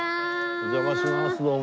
お邪魔しますどうも。